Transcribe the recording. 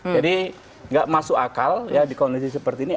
jadi nggak masuk akal ya di kondisi seperti ini